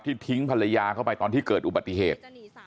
ทิ้งภรรยาเข้าไปตอนที่เกิดอุบัติเหตุ